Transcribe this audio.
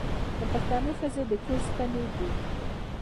د پښتنو ښځې د کور ستنې دي.